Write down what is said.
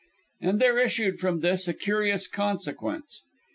And there issued from this a curious consequence.